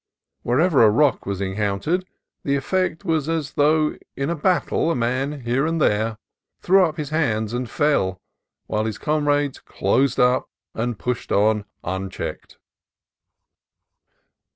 Where ever a rock was encountered, the effect was as though, in a battle, a man here and there threw up his hands and fell, while his comrades closed up and pushed on unchecked.